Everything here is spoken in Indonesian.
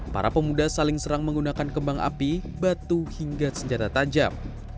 para pemuda saling serang menggunakan kembang api batu hingga senjata tajam